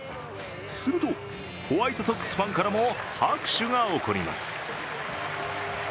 するとホワイトソックスファンからも拍手が起こります。